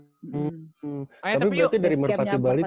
tapi berarti dari merpati bali